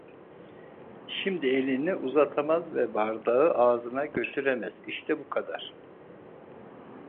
Şimdi elini uzatamaz ve bardağı ağzına götüremez, işte bu kadar.